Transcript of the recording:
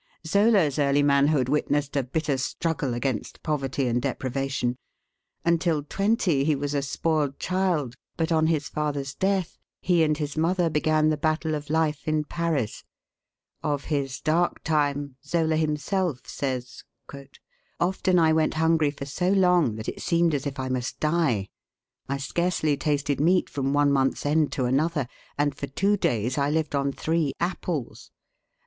Zola's early manhood witnessed a bitter struggle against poverty and deprivation. Until twenty he was a spoiled child; but, on his father's death, he and his mother began the battle of life in Paris. Of his dark time, Zola himself says: "Often I went hungry for so long, that it seemed as if I must die. I scarcely tasted meat from one month's end to another, and for two days I lived on three apples.